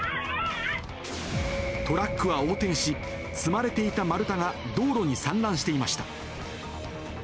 トラックは横転し、積まれていた丸太が道路に散乱していました。